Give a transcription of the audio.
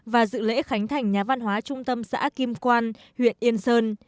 và dự lễ khánh thành nhà văn hóa trung tâm xã kim quan huyện yên sơn